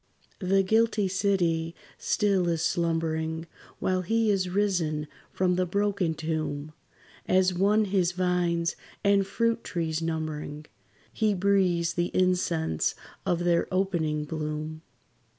The guilty city still is slumbering, While he is risen from the broken tomb; As one his vines and fruit trees numbering, He breathes the incense of their opening bloom.